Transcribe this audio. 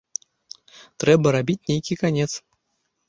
Трэба рабіць нейкі канец.